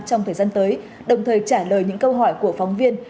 trong thời gian tới đồng thời trả lời những câu hỏi của phóng viên